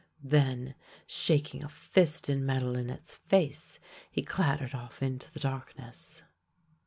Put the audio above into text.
Then, shaking a fist in Madelinette's face, he clattered off into the darkness.